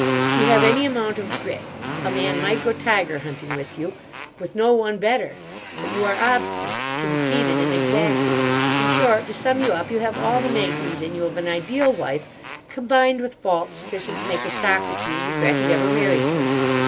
You have any amount of grit. A man might go tiger hunting with you—with no one better; but you are obstinate, conceited, and exacting. In short, to sum you up, you have all the makings in you of an ideal wife combined with faults sufficient to make a Socrates regret he'd ever married you.